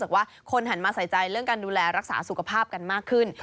ว่าคนหันมาใส่ใจเรื่องการดูแลรักษาสุขภาพกันมากขึ้น